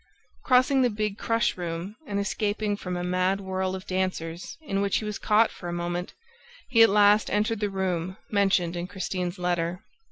Crossing the big crush room and escaping from a mad whirl of dancers in which he was caught for a moment, he at last entered the room mentioned in Christine's letter.